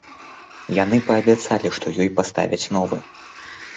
Яны паабяцалі, што ёй паставяць новы.